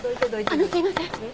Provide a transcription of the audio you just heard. あのすいません。